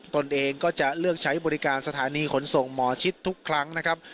ตนเองก็จะเลือกใช้บริการสถานีขนส่งหมอชิดทุกครั้งนะครับ